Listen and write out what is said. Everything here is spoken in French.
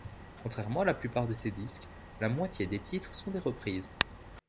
Contrairement à la plupart de ses disques, la moitié des titres sont des reprises.